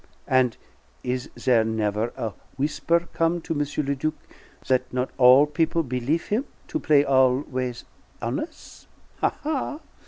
And is there never a w'isper come to M. le Duc that not all people belief him to play always hones'? Ha, ha!